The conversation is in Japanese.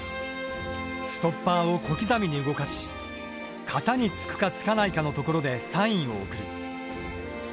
ストッパーを小刻みに動かし型につくかつかないかのところでサインを送る。